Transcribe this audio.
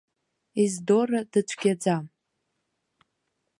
Ездора дыцәгьаӡам.